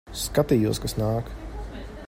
Skatījos, kas nāk.